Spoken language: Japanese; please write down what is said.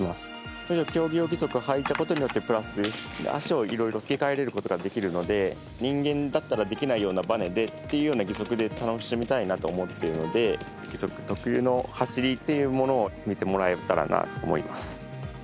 それが競技用義足をはいたことによってプラス、足をいろいろ付け替えることができるので人間だったらできないようなばねでっていうような義足で楽しみたいなと思っているので義足特有の走りというものを見てもらえたらなと思います。